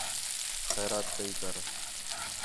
خیرات کَئی کر